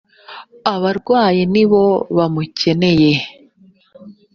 abarwayi ni bo bamukeneye.